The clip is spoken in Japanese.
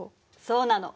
そうなの。